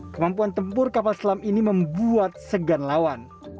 kemampuan tempur kapal selam ini membuat segan lawan